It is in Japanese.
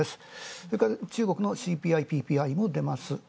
それから中国のＣＰＩもでます